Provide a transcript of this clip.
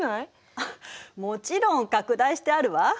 もちろん拡大してあるわ。